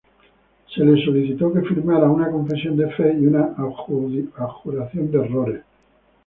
Se le solicitó que firmara una confesión de fe y una abjuración de errores.